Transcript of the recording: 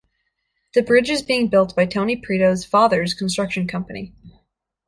The bridge is being built by Tony Prito's father's construction company.